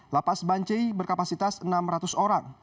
lapas bancai berkapasitas enam ratus orang